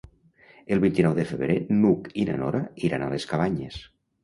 El vint-i-nou de febrer n'Hug i na Nora iran a les Cabanyes.